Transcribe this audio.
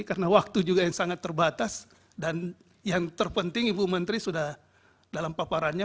karena waktu juga yang sangat terbatas dan yang terpenting ibu menteri sudah dalam paparannya